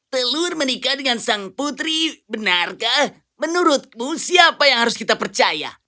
telur menikah dengan sang putri benarkah menurutku siapa yang harus kita percaya